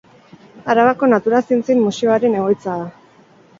Arabako Natura Zientzien museoaren egoitza da.